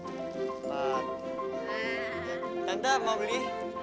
tante mau beli